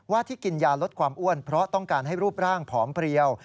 ที่กินยาลดความอ้วนเพราะต้องการให้รูปร่างผอมเพลียว